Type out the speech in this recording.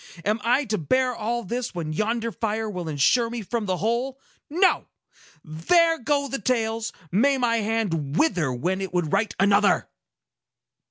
Am I to bear all this, when yonder fire will insure me from the whole? No! There go the tales! May my hand wither when it would write another!"